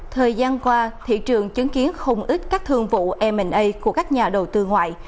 thời gian qua thị trường chứng kiến không ít các thương vụ m a của các nhà đầu tư ngoại